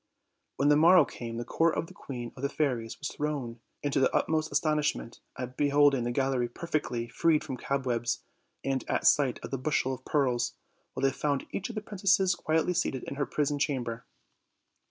When the morrow came the court of the queen of the fairies was thrown into the utmost astonishment at be holding the gallery perfectly freed from cobwebs, and at sight of the bushel of pearls, while they found each of the princesses quietly seated in her prison chamber.